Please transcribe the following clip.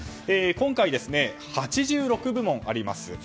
今回、８６部門あります。